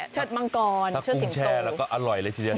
เชิดมังกรเชิดสิมโตถ้ากุ้งแช่แล้วก็อร่อยเลยทีเดือน